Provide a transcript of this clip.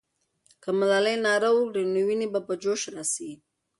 که ملالۍ ناره وکړي، نو ويني به په جوش راسي.